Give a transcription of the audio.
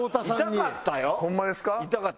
ホンマですか？